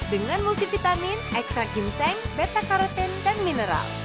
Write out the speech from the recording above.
dengan multivitamin ekstrak ginseng beta karotin dan mineral